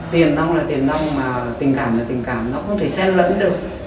tiền nông là tiền nông mà tình cảm là tình cảm nó không thể xen lẫn được